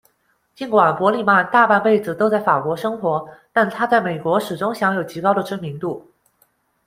尽管伯里曼大半辈子都在法国生活，但他在美国始终享有极高的知名度。